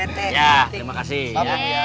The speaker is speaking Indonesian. ya terima kasih